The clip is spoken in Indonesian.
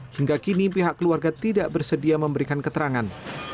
hingga kini pihak keluarga tidak bersedia memberikan keterangan